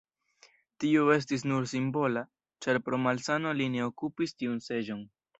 Tio estis nur simbola, ĉar pro malsano li ne okupis tiun seĝon.